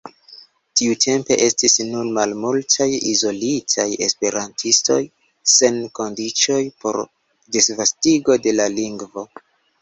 Tiutempe estis nur malmultaj izolitaj esperantistoj, sen kondiĉoj por disvastigo de la lingvo.